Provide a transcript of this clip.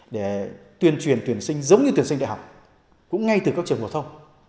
để tuyên truyền tuyển sinh giống như tuyển sinh đại học cũng ngay từ các trường phổ thông